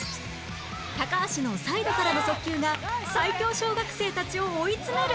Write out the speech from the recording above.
高橋のサイドからの速球が最強小学生たちを追い詰める！